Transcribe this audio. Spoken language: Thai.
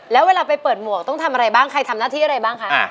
แล้วเวลาไปเปิดหมวกต้องทำอะไรบ้างใครทำหน้าที่อะไรบ้างคะ